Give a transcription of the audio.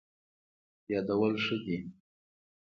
یادول ښه دی.